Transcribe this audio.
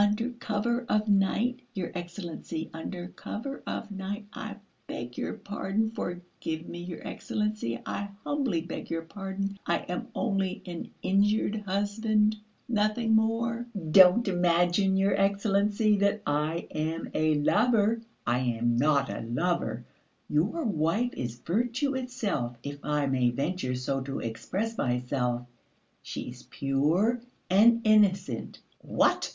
"Under cover of night, your Excellency, under cover of night.... I beg your pardon! Forgive me, your Excellency! I humbly beg your pardon! I am only an injured husband, nothing more! Don't imagine, your Excellency, that I am a lover! I am not a lover! Your wife is virtue itself, if I may venture so to express myself. She is pure and innocent!" "What, what?